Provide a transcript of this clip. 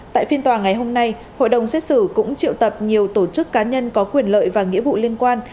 tại phiên tòa ngày hôm nay hội đồng xét xử cũng triệu tập nhiều tổ chức cá nhân có quyền lợi và nghĩa vụ liên quan